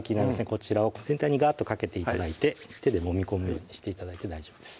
こちらを全体にガーッとかけて頂いて手でもみ込むようにして頂いて大丈夫です